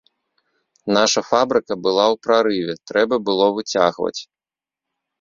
Наша фабрыка была ў прарыве, трэба было выцягваць.